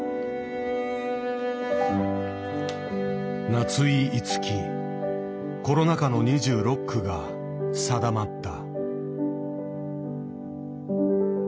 夏井いつきコロナ禍の２６句が定まった。